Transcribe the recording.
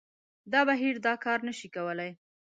دا بهیر دا کار نه شي کولای